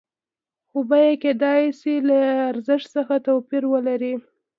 خو بیه کېدای شي له ارزښت څخه توپیر ولري